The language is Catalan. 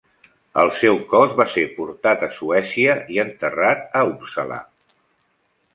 El seu cos va ser portat a Suècia i enterrat a Uppsala.